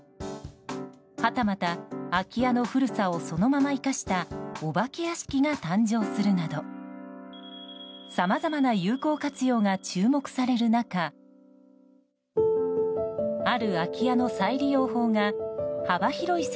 はたまた、空き家の古さをそのまま生かしたお化け屋敷が誕生するなどさまざまな有効活用が注目される中今年３月。